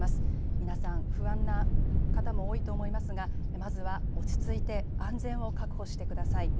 皆さん、不安な方も多いと思いますがまずは落ち着いて安全を確保してください。